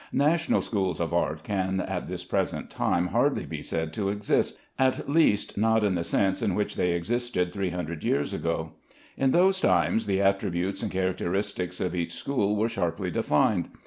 National schools of art can at this present time hardly be said to exist, at least not in the sense in which they existed 300 years ago. In those times the attributes and characteristics of each school were sharply defined.